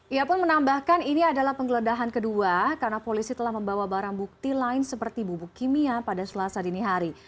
ia pun menambahkan ini adalah penggeledahan kedua karena polisi telah membawa barang bukti lain seperti bubuk kimia pada selasa dini hari